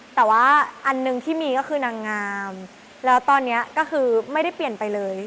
แต่ว่าอันหนึ่งที่มีก็คือนางงามแล้วตอนนี้ก็คือไม่ได้เปลี่ยนไปเลย